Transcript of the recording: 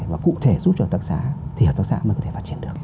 và cụ thể giúp cho hợp tác xã thì hợp tác xã mới có thể phát triển được